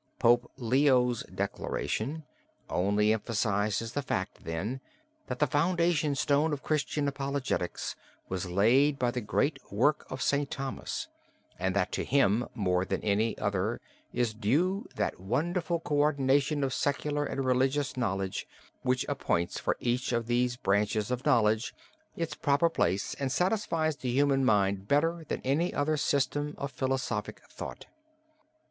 Pope Leo's declaration only emphasizes the fact, then, that the foundation stone of Christian apologetics was laid by the great work of St. Thomas, and that to him more than any other is due that wonderful coordination of secular and religious knowledge, which appoints for each of these branches of knowledge its proper place, and satisfies the human mind better than any other system of philosophic thought.